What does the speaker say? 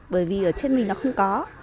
bởi vì ở trên mình nó không có